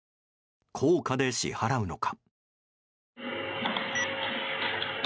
硬貨で支払うのか。